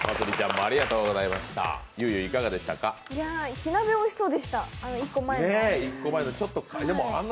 火鍋おいしそうでした、１個前の。